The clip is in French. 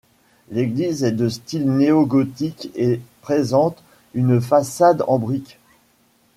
L'église est de style néo-gothique et présente une façade en briques.